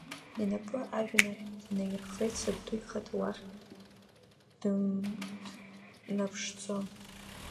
Инапы ажәҩан ахь инаирххеит сабду, ихаҭа уахь дымнаԥшӡо…